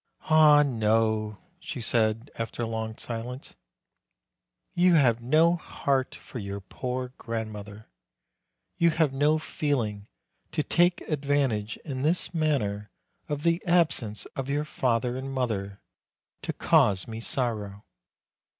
"Ah, no!" she said, after a long silence, "you have no heart for your poor grandmother. You have no feeling, to take advantage in this manner of the absence of your father and mother, to cause me sorrow.